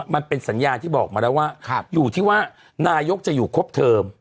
มันเป็นสัญญาที่บอกมาแล้วว่าอยู่ที่ว่านายกจะอยู่ครบเทอม